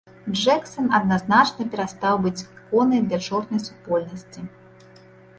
Джэксан адназначна перастаў быць іконай для чорнай супольнасці.